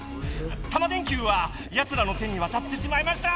タマ電Ｑはやつらの手にわたってしまいました！